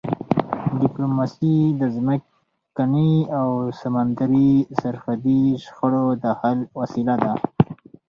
ډیپلوماسي د ځمکني او سمندري سرحدي شخړو د حل وسیله ده.